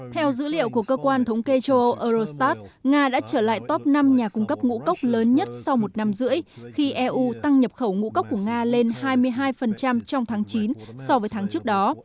theo dữ liệu của cơ quan thống kê châu âu eurostat nga đã trở lại top năm nhà cung cấp ngũ cốc lớn nhất sau một năm rưỡi khi eu tăng nhập khẩu ngũ cốc của nga lên hai mươi hai trong tháng chín so với tháng trước đó